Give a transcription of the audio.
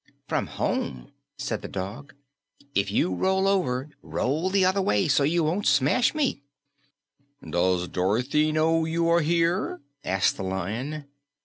"From home," said the dog. "If you roll over, roll the other way so you won't smash me." "Does Dorothy know you are here?" asked the Lion.